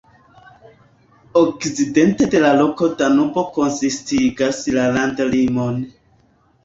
Okcidente de la loko Danubo konsistigas la landlimon.